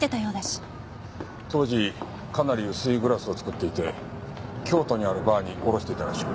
当時かなり薄いグラスを作っていて京都にあるバーに卸していたらしい。